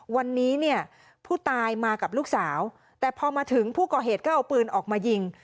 วันนี้เนี่ยผู้ตายมากับลูกสาวแต่พอมาถึงผู้ก่อเหตุก็เอาปืนออกมายิง